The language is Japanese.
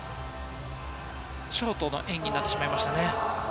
ショートの演技になってしまいましたね。